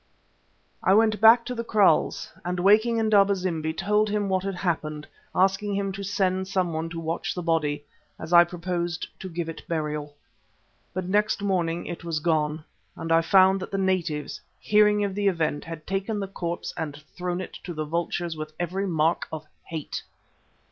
I went back to the kraals, and, waking Indaba zimbi, told him what had happened, asking him to send some one to watch the body, as I proposed to give it burial. But next morning it was gone, and I found that the natives, hearing of the event, had taken the corpse and thrown it to the vultures with every mark of hate.